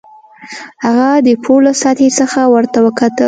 هغه د پوړ له سطحې څخه ورته وکتل